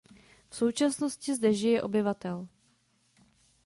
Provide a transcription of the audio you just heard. V současnosti zde žije obyvatel.